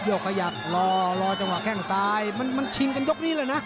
ขยับรอจังหวะแข้งซ้ายมันชิงกันยกนี้เลยนะ